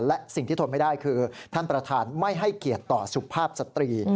และสิ่งที่ทนไม่ได้คือท่านประธานไม่ให้เกียรติต่อสุภาพสตรี